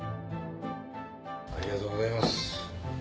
ありがとうございます。